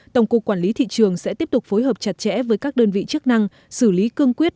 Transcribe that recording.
tổng cục quản lý thị trường sẽ tiếp tục phối hợp chặt chẽ với các đơn vị chức năng xử lý cương quyết